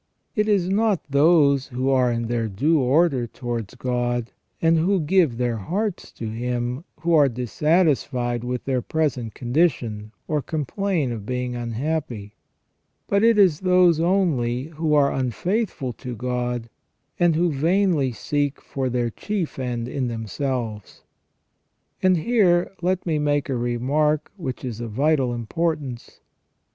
It is not those who are in their due order towards God, and who give their hearts to Him, who are dissatisfied with their present condi tion, or complain of being unhappy ; but it is those only who are unfaithful to God, and who vainly seek for their chief end in them selves. And here let me make a remark which is of vital impor tance.